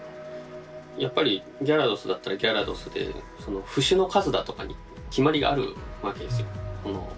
やっぱりギャラドスだったらギャラドスで節の数だとかに決まりがあるわけですよ。